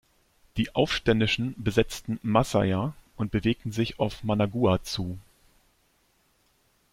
Die Aufständischen besetzten Masaya und bewegten sich auf Managua zu.